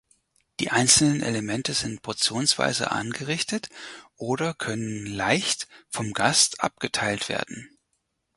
Die einzelnen Elemente sind portionsweise angerichtet oder können leicht vom Gast abgeteilt werden.